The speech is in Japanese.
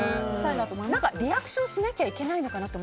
リアクションしなきゃいけないのかなと